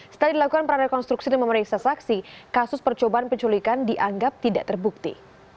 setelah dilakukan prarekonstruksi dan memeriksa saksi kasus percobaan penculikan dianggap tidak terbukti